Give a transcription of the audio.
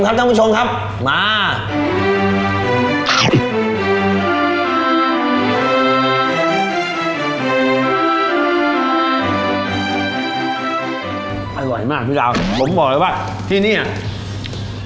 ทุกคุณผู้ชมและที่สำคัญครับพี่ดาวเส้นเส้นเส้นเส้นอันนี้นี่นี่